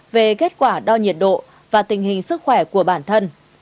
về kết quả đo nhiệt độ và tình hình sức khỏe của bản thân